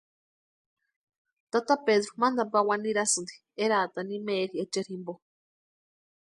Tata Pedru mantani pawani nirasïnti eraatani imaeri echeri jimpo.